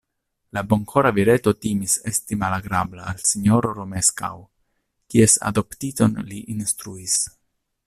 La bonkora vireto timis esti malagrabla al sinjoro Romeskaŭ, kies adoptiton li instruis.